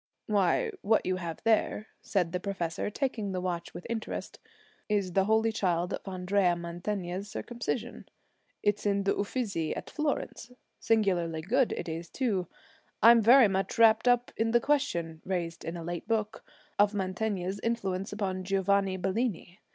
'Why, what you have there,' said the professor, taking the watch with interest, 'is the Holy Child of Andrea Mantegna's Circumcision, it's in the Uffizi at Florence. Singularly good it is, too. I'm very much wrapped up in the question, raised in a late book, of Mantegna's influence upon Giovanni Bellini.